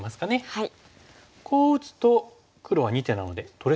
はい。